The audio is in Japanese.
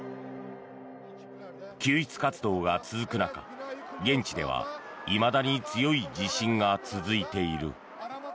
救出活動が続く中、現地ではいまだに強い地震が続いている。